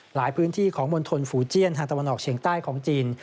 หลายพื้นที่ของมณฑลฝูเจียนทางตะวันออกเฉียงใต้ของจีน